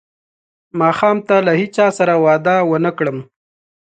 ماښام ته له هیچا سره وعده ونه کړم.